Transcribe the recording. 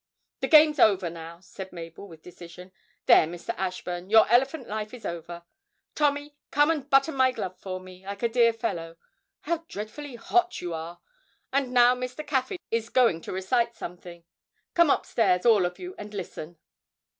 'The game's over now,' said Mabel with decision. 'There, Mr. Ashburn, your elephant life is over. Tommy, come and button my glove for me, like a dear fellow. How dreadfully hot you are! And now Mr. Caffyn is going to recite something; come upstairs, all of you, and listen.'